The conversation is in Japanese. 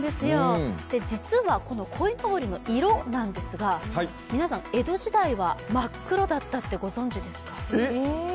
実はこいのぼりの色なんですが、皆さん、江戸時代は真っ黒だったってご存じですか？